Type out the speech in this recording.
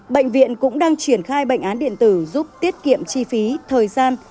bệnh viện cũng đang triển khai bệnh án điện tử giúp tiết kiệm chi phí thời gian